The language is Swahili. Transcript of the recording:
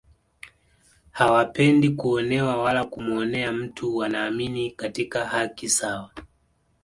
Hawapendi kuonewa wala kumuonea mtu wanaamini katika haki sawa